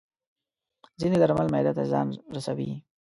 ځینې درمل معده ته زیان رسوي.